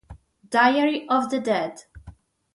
Diary of the Dead